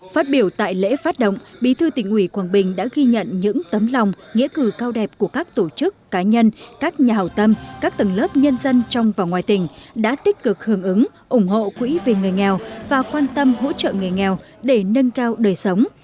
phát biểu tại lễ phát động bí thư tỉnh ủy quảng bình đã ghi nhận những tấm lòng nghĩa cử cao đẹp của các tổ chức cá nhân các nhà hảo tâm các tầng lớp nhân dân trong và ngoài tỉnh đã tích cực hưởng ứng ủng hộ quỹ vì người nghèo và quan tâm hỗ trợ người nghèo để nâng cao đời sống